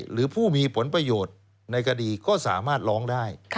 หรือผู้มีผลประโยชน์ในคดีก็สามารถร้องได้